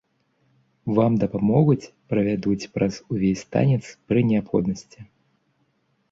Вам дапамогуць, правядуць праз увесь танец пры неабходнасці.